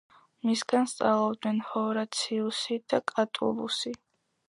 მისგან სწავლობდნენ ჰორაციუსი და კატულუსი.